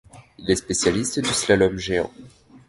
Il est spécialiste du slalom géant.